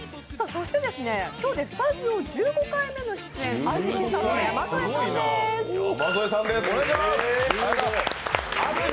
そして今日でスタジオ１５回目の出演相席スタート・山添さんです。